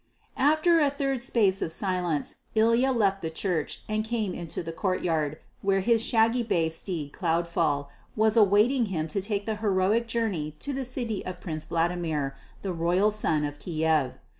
After a third space of silence Ilya left the church and came into the courtyard, where his shaggy bay steed Cloudfall was awaiting him to take the heroic journey to the city of Prince Vladimir, the Royal Sun of Kiev.